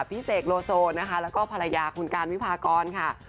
พี่เสกโลโซและภรรยาคุณการวิภากรค่ะ